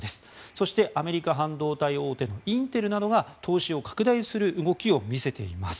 そして、アメリカ半導体大手のインテルなどが投資を拡大する動きを見せています。